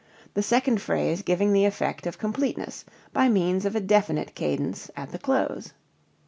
the second phrase giving the effect of completeness by means of a definite cadence at the close.